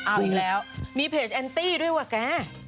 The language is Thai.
เอาอีกแล้วมีเพจแอนตี้ด้วยว่ะแก